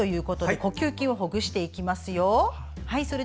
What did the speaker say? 呼吸筋をほぐしていきますよ。